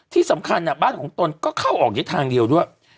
ที่สำคัญบ้านของตนก็เข้าออกได้ทางเดียวด้วย